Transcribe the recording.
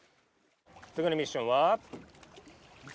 つぎのミッションは？